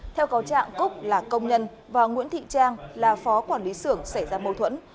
theo cáo trạng cúc là công nhân và nguyễn thị trang là phó quản lý xưởng xảy ra mâu thuẫn